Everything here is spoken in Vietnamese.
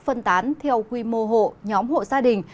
phân tán theo quy mô hộ nhóm hộ gia đình